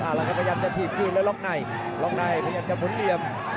เอาละครับพยายามจะถีบคืนแล้วล็อกในล็อกในพยายามจะหมุนเหลี่ยม